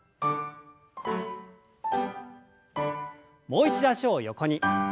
もう一度脚を横に。